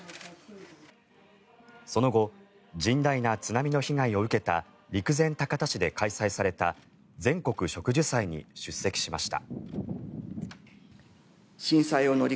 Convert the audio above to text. その後、甚大な津波の被害を受けた陸前高田市で開催された全国植樹祭に出席しました。